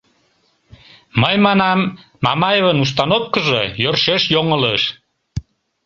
Мый манам: Мамаевын установкыжо йӧршеш йоҥылыш.